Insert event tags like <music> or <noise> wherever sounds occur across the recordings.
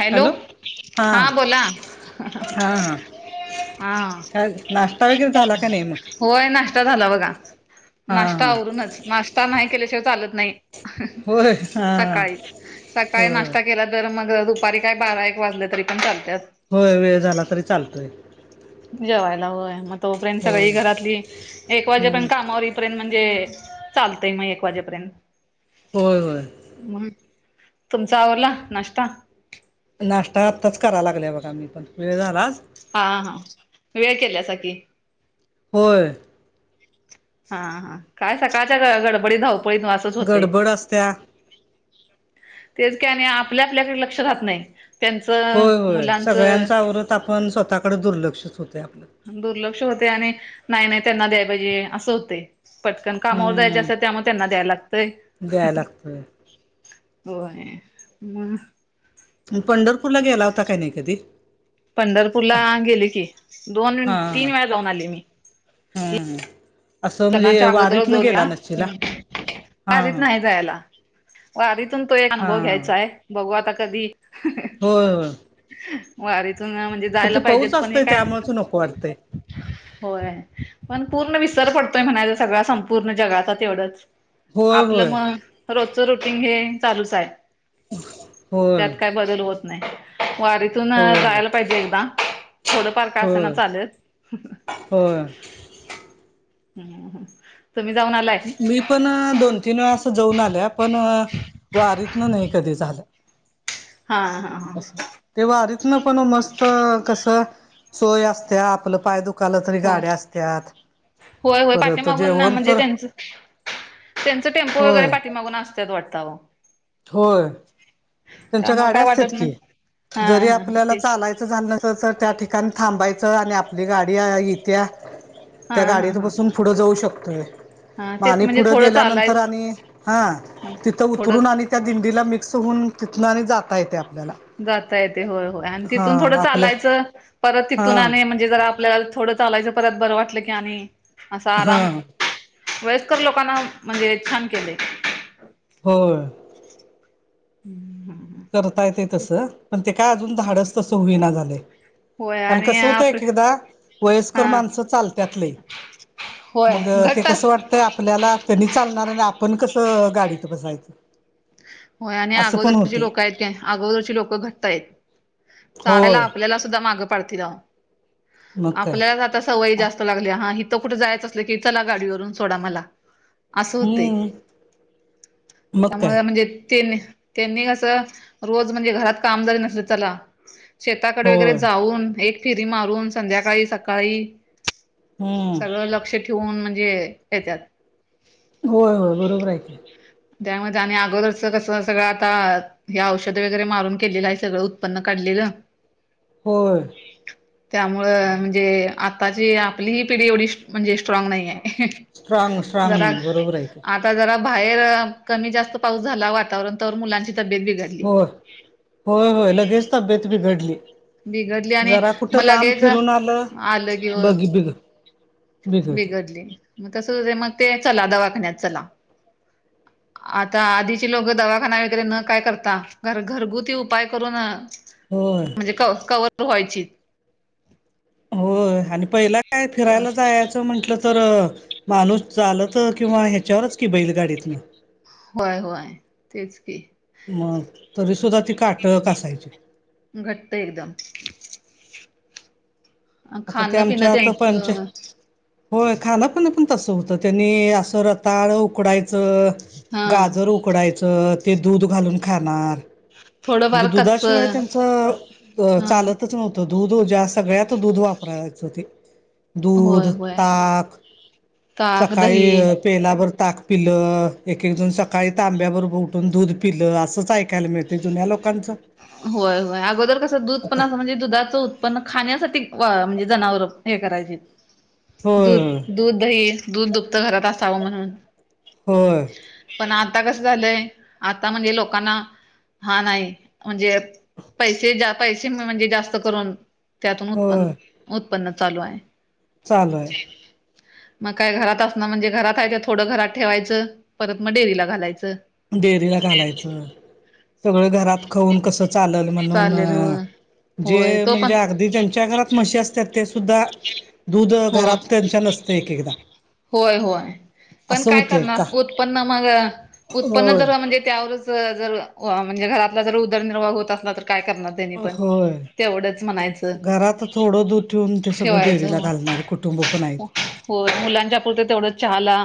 Hello हा बोला हा हा हा झाला का नाही मग होय नाश्ता झाला बघा हां नाश्ता हां आवरूनच नाश्ता नाही केल्याशिवाय चालत नाही होय हां हां सकाळी सकाळी होय नाश्ता गेला तर मग दुपारी काय बारा एक वाजले तरी पण चालत होय वेळ झाला तरी चालतोय जेवायला वय मग तोपर्यंत होय सगळी घरातली एक वाजे हम्म पर्ण कामावर म्हणजे चालतय मग वाजेपर्यंत होय होय मग तुमचा आवला नाश्ता नाश्ता आताच कराव लागले बघा मी पण वेळ झालाच हा हा वेळ केल्या स की होय हा हा काय सकाळच्या ग गडबडी धावपळीतवासच होते गडबड असत्या तेच का आणि आपल्या आपल्याकडे लक्ष राहत नाही त्यांचं मुलांचं त आपण स्वतःकडे दुर्लक्षच होतय आपलं दुर्लक्ष होते आणि नाही नाही त्यांना द्याय पाहिजे असं होते पटकन कामावर जायच असत हम्म त्यामु त्यांना द्यायला लागतय द्याय लागतोय होय म पंढरपूरला गेला होता काही नाही कधी पंढरपूरला गेले की दोन हां हां तीन वेळा जाऊन आले मी हम्म असं म्हणजे लग्नाच्या अगोदर वारीफ न दोन गेला वेळा नचीला वारीत नाही जायला वारीतून तो एक हा अनुभव घ्यायचा आहे बघू आता कधी होय होय वारीतून म्हणजे तर जायला ते पाऊच पाहिजेत पण हे असतय काय त्यामुळेच नको वाटतंय. होय पण पूर्ण विसर पडतोय म्हणायच सगळ संपूर्ण जगचा तेवढंच होय आपलं होय म रोजच रुटीन हे चालूच आहे होय त्यात काय बल होत नाही व तथून होय जायला पाहिजे एकदा थोडंफार काय असं ना चालेलच हो हम्म तु्म्ही जाऊन आलाय. मी पण दोन तीन वेळा अस जाऊन आल्या, पण वारीतन नाही कधी झालं. हा हा. हा. ते वारितन पण मस्त कस सोय असतिया, आपलं पाय दुख खाल तरी हो. गाड्या असत्यात होय होय परत पाठीमागून ना जेवण म्हणजे तर त्यांचं त्यांचं टेम्पो वगैरे पाठीमागून असत्यात वाटतय आओ. होय. त्यांच्या त्यामुळे गाड्या काय असत्यात वाटत की, नाही. हा जरी हा हा आपल्याला तेच. चालायचं झालं नसल तर त्या ठिकाणी कारण थांबायचं आणि आपली गाडी येतिया हा त्या हा गाडीत हा. बसून पुढं जाऊ शकतोय. हा मग तेच आणि म्हणजे पुढं थोडं गेल्यानंतर चालायच. आणि हा तिथं थोडं उतरून आणि आणि त्या दिंडीला मिक्स होऊन, तिथन आणि जाता येतेय आपल्याला जाता येतय होय होय आणि तिथून थोडं हा आपल्या चालायचं, परत तिथून आणि हा म्हणजे म्हणजे जरा आपल्याला थोडं चालायचं, परत बरं वाटलं की आणि आसं हा आराम वयस्कर लोकांना म्हंजे छान केलय. होय. <unintelligible> करता येतय तसं, पण ते काय अजून धाडस तसं होईना झालय. होय आण आणि कसं होतंय? आप एक एकदा हा वयस्कर माणसं चालत्यात लई. होय मग ते घट्ट कसं वाटतय आपल्याला, तेनी चालणार आणि आपण कसं गाडीत बसायचं. होय आणि असं पण अगोदरची जी होते लोक आहेत, अगोदरची लोक घट्ट हाईत. चालायला होय आपल्याला सुद्धा मागं पाडतील आओ, मग काय आपल्यालाच आता सवय जास्त लत लागलीया हा हीथ कुठ जायचं असले की, चला गाडीवरून सोडा मला आसं होतय. हम्म मग काय व्हय म्हणजे तेनी कस रोज म्हणजे, घरात कामजरी नसले तरी चला. शेताकडे वगैरे होय जाऊन, एक फिरी मारून संध्याकाळी, सकाळी हम्म सगळं लक्ष ठेवून म्हणजे ये येत्यात होय होय बरोबर हाय की त्यामध् ते आणि अगोदरच कस सगळं, आता हे औषध वगैरे मारून केलेलं आहे. सगळं उत्पन्न काढलेलं. होय. त्यामुळं अ म्हणजे अ आताची आपली ही पिढी एवढी म्हणजे स्ट्राँग नाही हाय. स्ट्रांग स्ट्रांग जरा नाही बरोबर आहे की आता जरा बाहेर कमी जास्त जास्त पाऊस झाला, वातावरण तवर मुलांची तब्येत बिघडली. होय होय होय लगेच तब्येत बिघडली. बिघडली आणि जरा कुठ मग लांब लगेच फिरून आलं की बघी बिघ बिघडली मग कस होतय? चला दवाखान्यात चला हां <inaudible> आता आधीची लोक दवाखाना वगैरे न काय करता, घर घरगुती उपाय करून अ होय. ती कव कव्हर पण व्हायची. होय आणि पहिला काय पण फिरायला, जायाच म्हंटलं तर तर माणूस चालत किंवा ह्याच्यावरच की बैल गाडीत व्हय व्हय तेच की मग तरी सुुद्धा ती काटक असायची. घट्ट एकदम आता खाणं पिणं आमच्यात ते पंच होय खानापिन पण तसं होतं, त्यांनी असं रताळ उकडायचं हा गाजर उकडायचं, ते दूध घालून खाणार म्हणजे थोडंफार कच्च दुधाशिवाय त्यांच अ हा चालतच नव्हतं. दूध दूध ज्या सगळ्यात दूध वापरायच, ते दूध, होय होय ताक ताक सकाळी दही पेलावर ताक पिलं एक एक दोन सकाळी तांब्यावर बोटून दूध पिलं असंच ऐकायला मिळतं. ते जुन्या लोकांचं होय होय अगोदर कसं दूध आता पण अस म्हणजे दुधाच पण खाण्यासाठी म्हणजे जनावर हे करायची होय होय दूध दूध दही दूध दुप्त घरात असावं म्हणून. हो पण आता कसं झालंय आता म्हणजे लोकांना हा नाही म्हणजे पैसे पैसे म्हणजे जास्त करून त्यातून उत्पन्न होय उत्पन्न चालू आहे. चालू आहे. मग काय घरात असणार म्हणजे घरात आहे का थोडं घरात ठेवायचं परत मग डेअरीला घालायचं. डेअरीला घालायचं सगळं घरात खाऊन कस चा म्हणून चालेल होय जे होय तो म्हणजे पण अगदी ज्यांच्या घरात म्हशी अस ते सुद्धा दूध हो घरात त्यांच्या नसते एक एकदा. होय होय पण असं काय होतंय का करणार उत्पन्न माग उत्पन्न होय जर म्हणजे त्यावरच जर म्हणजे घरातला जर उदरनिर्वाह होत असला तर. काय करणार त्यांनी पण होय तेवढंच म्हणायचं घरात थोडं दूध ठेवून ते सगळं ठेवायचं डेअरीला घालणारे कुटुंब पण आहेत हो. हो मुलां तेवढ चहाला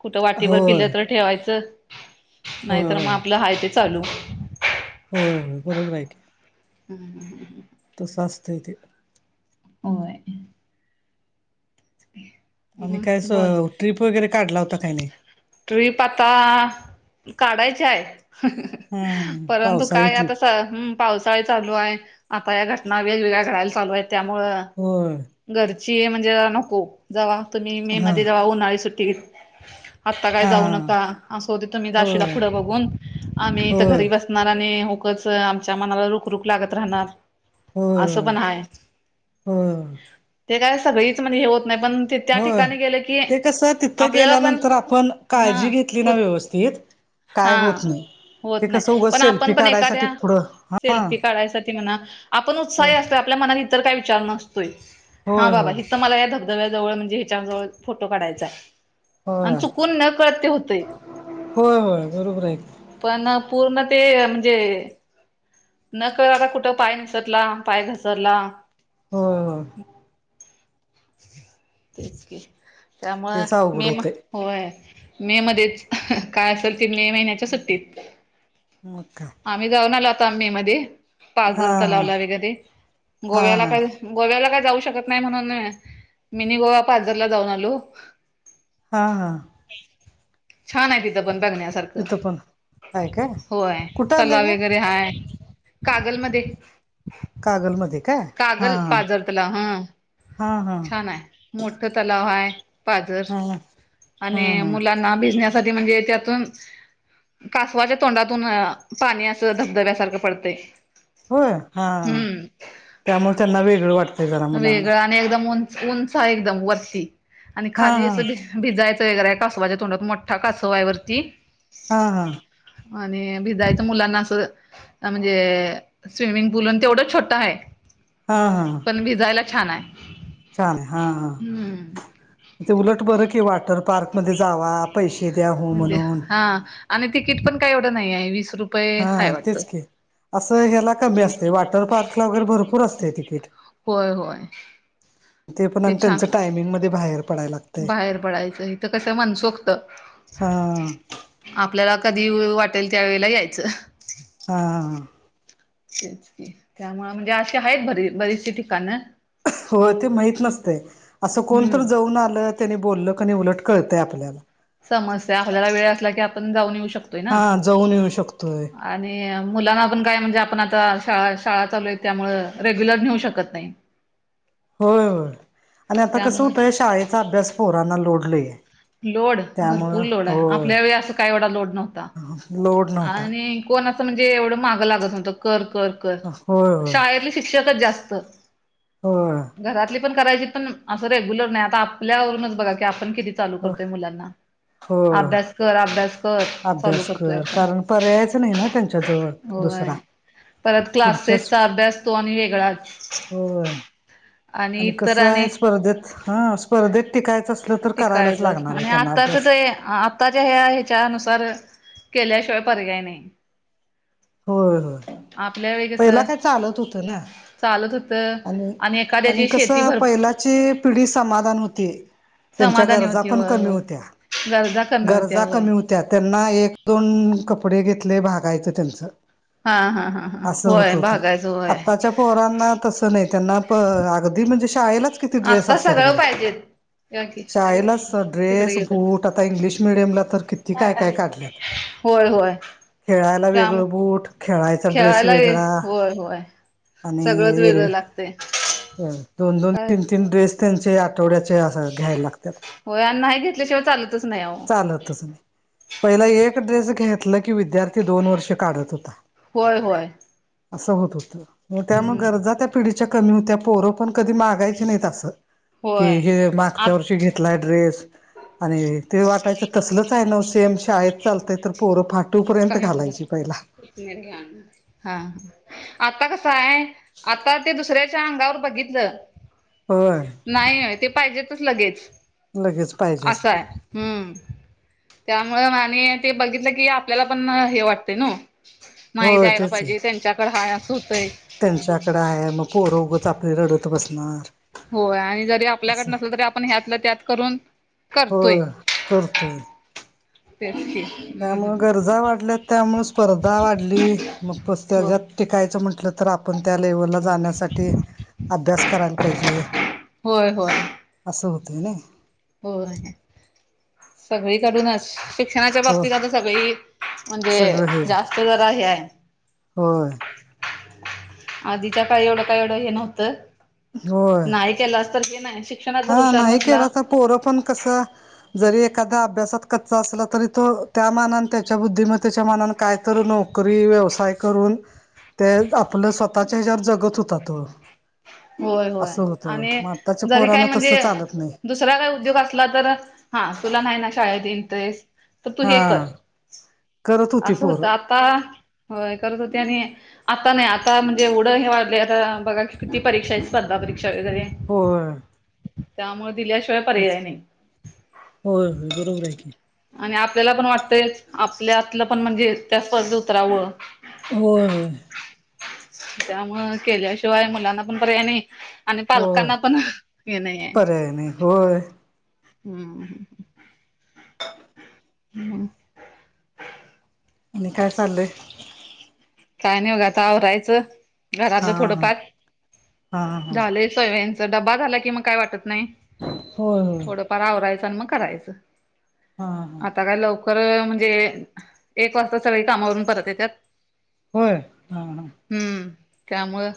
कुठ वाटीवर होय पिलं तर ठेवायच नाही होय होय मग हाय ते चालू. हो हो बरोबर आहे की. <unintelligible> तस असत ते‌. हो ह आणि काय ट्रीप वगैरे काढला होता काही नाही. ट्रीप आता काढायची आहे. हम्म परंतु पावसाळी काय आता ट्रिप पावसाळा ही चालू आहे आता या घटना वेगवेगळ्या घडायला चालू आहेत त्यामुळं हो घरची म्हणजे नको जव्हा तुम्ही मे हा मध्ये जव्हा उन्हाळी सुट्टी आत्ता काय हा जाऊ नका असं होते तु मी जाशीला होय पुढं बघून. आम्ही इथं होय होय घरी बसणार आणि होकच आमच्या मनाला रुख रुख लागत राहणार. असं पण हाय. हो ते काय सगळीच म्हणजे हे होत नाही पण ते त्या होय ठिकाणी गेलं की ते कसं तिथं आपल्याला पण गेल्यानंतर आपण हा काळजी घेतली ना व्यवस्थित काय हा होत नाही. होत ते नाही कसं उगच पण आपण सेल्फी पण काढायसाठी एखाद्या पुढं हा सेल्फी काढायसाठी म्हणा आपण होय उत्साही असतो. आपल्या मनात इतर काय विचार नसतोय हा होय बाबा तर मला या धबधब्याजवळ म्हणजे ह्याच्याजवळ फोटो काढायचाय. आणि होय चुकून न कळते होतय. होय होय बरोबर आहे पण पूर्ण ते म्हणजे नकळ आता कुठं पाय निसटला पाय घसरला हो तेच क त्यामुळं तेच अवघड होतय <unintelligible> होय मे मध्येच काय असेल ते मे महिन्यात. सुट्टीत मग काय आम्ही जाऊन आलो आता मे मध्ये. हा पाजर हा तलावला वगैरे हा गोव्याला हा काय गोव्याला काय जाऊ शकत नाही म्हणून. मिनी गोवा आप आजारला जाऊन आलो. हां हां छान आहे तिथं पण बघण्यासारखं तिथं पण काय काय होय कुठं तला आलं हे वगैरे हाय कागलमध्ये कागलमध्येध्ये कागल पाजर तला हा हा हा छान आहे. मोठ तलाव हा पाझर हा हा आणि हम्म हम्म मुलांना भिजन्यासाठी म्हणजे त्यातून कासवाच्या तोंडातून पाणी असं धबधब्यासारखं पडतंय. होय हा हम्म त्यामुळे त्यांना वेगळं वाटतंय जरा मुलांना वेगळं आणि एकदम उंच, उंच आहे एकदम वरती आणि हा खाली हा अस. भिजायचं वगैरे आहे कासवाच्या तोंडात मोठा कासव आहे वरती. हा हा आणि भिजायचं मुलांना असं. म्हणजे स्विमिंग पूल तेवढं छोटं आहे. हा हा पण भिजायला छान आहे. छान आहे हा हा हम्म ते उलट बरं कि वॉटर पार्क मध्ये जाव पैसे द्याहू म्हणून हा आणि तिकीट पण काय एवढं नाही आहे वीस रुपय हा तेच के असं ह्याला कमी असते वॉटर पार्कला वगैरे भरपूर असते तिकीट होय होय. ते पण आणि त्यांचं टायमिंगमध्येध्ये बाहेर पडाला लागत. बाहेर पडायचं इथ कसं म्हणसोखत हा आपल्याला कधी वाटेल त्यावेेळेला यायचं. हा ह च क त्यामुळे म्हणजे आज आहेतरी बरीचशी ठिकाणं. हो ते माहत नसते असं कोणत हम्म जाऊन आलं त्यानी बोललं कणी उलट कळतय आपल्याला समस्या आपल्याला वेळ असला की आपण जाऊन येऊ शकतो. हा जाऊन येऊ शकतोय. आणि मुलांना आपण काय म्हणजे आपण आता शाळा शाळा चालू आहे त्यामुळं रेग्युलर नेऊ शकत नाही. होय होय आणि आता कसं त्यामुळं हुतंय शाळेचा अभ्यास पोरांना लोड लई आहे. लोड भरपूर लोड आहे आपल्या वेळी असं काही एवढा लोड नव्हता. लोड नव्हता आणि कोण असं म्हणजे एवढं मागं लागत नव्हतं कर कर. कर होय शाळेतले शिक्षकच जास्त होय घरातली पण करायची पण असं रेग्युलर नाही आता आपल्यावरूनच बघा की आपण किती? चालू होय करतोय मुलांना होय अभ्यास कर, अभ्यास कर चालू अभ्यास कर. कारण पर्यायच नाही ना त्यांच्याजवळ दुसरा होय परत पुढच्या क्लासेसचा अभ्यास तो आणि वेगळाच होय आणि इतर कसं आहे आणि स्पर्धेत हा स्पर्धेत टिकायचं असलं तर करायलाच टिकायचंच लागणार आहे आणि त्यांना आताच अभ्यास ते आताच्या ह्या ह्याच्यानुसार केल्याशिवाय पर्याय नाही. होय होय आपल्या वेळी पहिला कसं काय चालत होतं ना. चालत होतं आणि आणि एखाद्याची शेती कसं भर पहिलाची पिढी समाधान होती. त्यांच्या समाधानी गरजा होती पण होय कमी होय होत्या गरजा कमी होत्या गरजा होय कमी होत त्या त्यांना एक दोन कपडे घेतले भागायचं त्यांचं हा हा हा हा असं होत होय होतं. भागायचं होय आताच्या पोरांना पणय त्यांना प अगदी म्हणजे शाळेलाच किती ड्रेस आता असत्यात सगळं बघा. पाहिजेत या की शाळेलाच स तिकडे ड्रेस, गेलं बूट आता इंग्लिश मिडियमला तर किती काय काय काढलेत. होय होय. खेळायला त्यामु वेगळं बूट, खेळायचा ड्रेस खेळायला वेगळा होय आणि एरव्ही ते होय दोन दोन तीन तीन ड्रेस त्यांचे आठवड्याचे अस घ्यायला लागत्यात. हो आणि न्हाय घेतल्याशिवाय चालतच नाय आहो. चालतच नाय. पहिला एक ड्रेस घेतला की विद्यार्थी दोन वर्ष काढत होता. होय होय. असं होत होतं, म त्यामुळ हम्म गरजा त्या पिढीच्या कमी होत्या पोर आपण कधी मागायची नाहीत असं की होय हे आत मागच्या वर्षी घे फाटलाय ड्रेस आणि ते वाटायचं तसलच आहे न्हवं सेम शाळेत चालतय तर पोर फाट टू पर्यंत काय झालं? घालायची पहिला हा आता कसंहाय, आता ते दुसऱ्या च्या अंगावर बघितलं. होय. नाय नाय ते पाहिजेतच लगेच लगेच पाहिजे असं असते हाय. हम्म त्यामुळं आणि ते बघितलं की आपल्याला पण हे वाटतंय न ओ नाही होय द्यायला पाहिजे त्यांच्याकड हाय अस होतंय. त्यांच्याकड आहे मग पोरं उगच आपली रडत बसणार. होय आणि जरी आपल्याकडं असं नसलं तरी आपण ह्यातला त्यात करून करतोय. होय करतोय. तेेच की, हम्म त्यामुळ हम्म. गरजा वाढल्यात त्यामुळ स्पर्धा वाढली मग प हो त्याज्यात टिकायचं म्हटलं तर आपण त्या लेवलला जाण्यासाठी अभ्यास करायला पाहिजे. होय होय असं होतय नय. होय सगळी कडून अश शिक्षणाच्या हो बाबतीत आता सगळी म्हणजे सगळं हे जास्त जरा हे हाय. होय. आधी का काय एवढं काय एवढं हे नव्हतं होय नाही केलंस तर हे नाय शिक शिक्षणात जर हा हुशार नाही केला नसला तर पोरं पण कसं जरी एखादा अभ्यासात कच्चा असला तरी तो त्या मानानं त्याच्या बुद्धिमतेच्या त्याच्या मनानं कायतर नोकरी व्यवसाय करून ते आपलं स्वत् स्वतःच्या ह्याज्यावर जगत होता तो होय होय असं होतं आणि मग आताच्या जरी काय पोरानं तसं म्हणजे चालत नाही दुसरा काय उद्योग असला तर हा तुला न्हाय ना शाळेत इंटरेस्ट त तू हा हे कर करत होती असं होत पोरं आप आता होय करत होते आणि आता नाय आत आता म्हणजे एवढं हे वाढलय आता बघा की किती परीक्षाची स्पर्धा परीक्षा वगैरे होय. त्यामुळ दिल्याशिवाय तेच पर्याय नाही. होय होय बरोबर हाय की, आणि आपल्याला पण वाटतयचं आपल्या आतलं पण म्हणजे त्या स्पर्धेत उतरावं होय होय. त्यामुळ केल्याशिवाय मुलांना पण पर्याय नाय. आणि होय पालकांना पण हे नाही आहे पर्याय नाही होय हम्म हम्म आणि काय चाललंय? आणि काही नाही बघा आवरायचं हा घरातलं हा थोडंफार हा हा झाले. डबा झाला की मग काय वाटतं नाही. होय होय थोडंफार आवरायचं आणि मग करायचं हा हा आता काय लव खरं म्हणजे एक वाजता सगळी कामावरून परत ये त्यात होय हा हा हम्म त्यामुळे